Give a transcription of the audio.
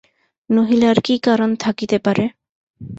নহিলে আর কী কারণ থাকিতে পারে!